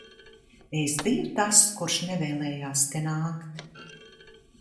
Es biju tas, kurš nevēlējās te nākt?